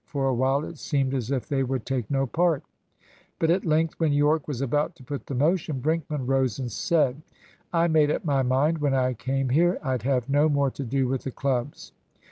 For a while it seemed as if they would take no part; but at length, when Yorke was about to put the motion, Brinkman rose and said, "I made up my mind when I came here I'd have no more to do with the clubs.